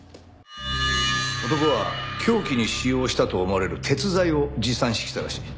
男は凶器に使用したと思われる鉄材を持参してきたらしい。